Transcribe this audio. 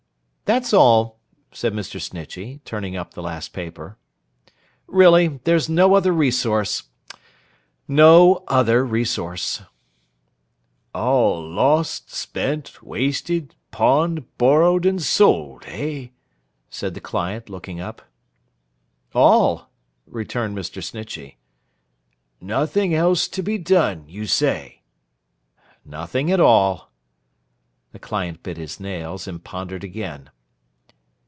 'That's all,' said Mr. Snitchey, turning up the last paper. 'Really there's no other resource. No other resource.' 'All lost, spent, wasted, pawned, borrowed, and sold, eh?' said the client, looking up. 'All,' returned Mr. Snitchey. 'Nothing else to be done, you say?' 'Nothing at all.' The client bit his nails, and pondered again.